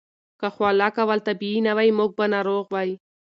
که خوله کول طبیعي نه وای، موږ به ناروغ وای.